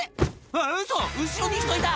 「あっウソ後ろに人いた！」